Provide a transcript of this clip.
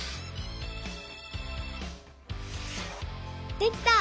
できた！